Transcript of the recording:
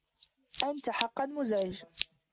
أنت حقا مزعج.